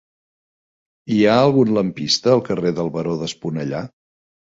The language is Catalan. Hi ha algun lampista al carrer del Baró d'Esponellà?